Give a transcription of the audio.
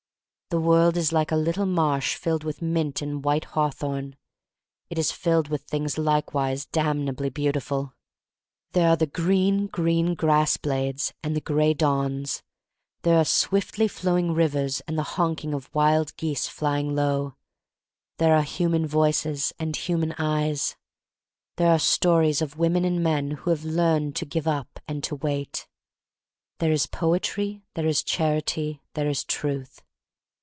The world is like a little marsh filled with mint and white hawthorn. It is filled with things likewise damnably beautiful. There are the green, green grass blades and the gray dawns; there are swiftly flowing rivers and the honk ing of wild geese, flying low; there are human voices and human eyes; there are stories of women and men who have learned to give up and to wait; there is poetry; there is Charity; there is Truth.